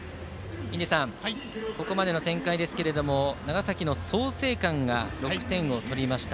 印出さん、ここまでの展開ですが長崎の創成館が６点を取りました。